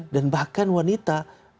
dan bahkan wanita